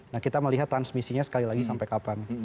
nah kita melihat transmisinya sekali lagi sampai kapan